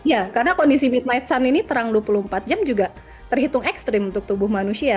ya karena kondisi midnight sun ini terang dua puluh empat jam juga terhitung ekstrim untuk tubuh manusia